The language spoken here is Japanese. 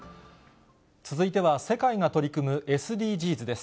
続いては、世界が取り組むＳＤＧｓです。